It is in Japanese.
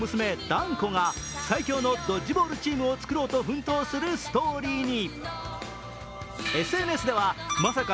弾子が最強のドッジボールチームを作ろうと奮闘するストーリーに。